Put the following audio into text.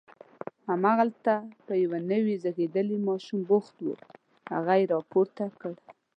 همالته په یو نوي زیږېدلي ماشوم بوخت و، هغه یې راپورته کړ.